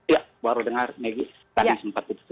ya baru dengar maggie